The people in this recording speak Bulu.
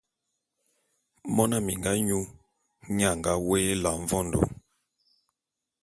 Mona minga nyu nnye a nga woé Ela Mvondo.